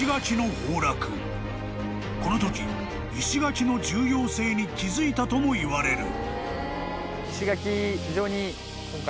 ［このとき石垣の重要性に気付いたともいわれる］